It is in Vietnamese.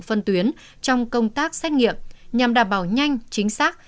phân tuyến trong công tác xét nghiệm nhằm đảm bảo nhanh chính xác